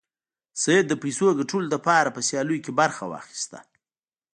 سید د پیسو ګټلو لپاره په سیالیو کې برخه واخیسته.